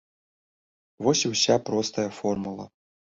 Вось і ўся простая формула.